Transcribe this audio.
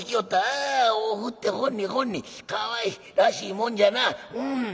あ尾を振ってほんにほんにかわいらしいもんじゃなうん。